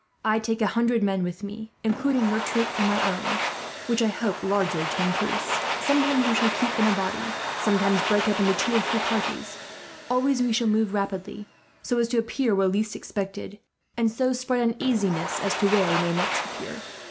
"I take a hundred men with me, including your troop and my own, which I hope largely to increase. Sometimes we shall keep in a body, sometimes break up into two or three parties. Always we shall move rapidly, so as to appear where least expected, and so spread uneasiness as to where we may next appear.